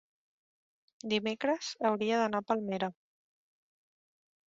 Dimecres hauria d'anar a Palmera.